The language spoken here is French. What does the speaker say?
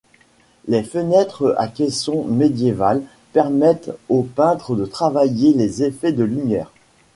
Les fenêtres à caissons médiévales permettent au peintre de travailler les effets de lumière.